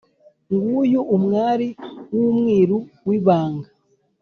nguyu umwari n’umwiru w’ibanga